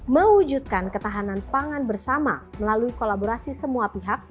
mewujudkan ketahanan pangan bersama melalui kolaborasi semua pihak